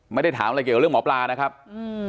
ไม่ได้ถามอะไรเกี่ยวกับเรื่องหมอปลานะครับอืม